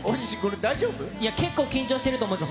いや、結構緊張してると思うんです。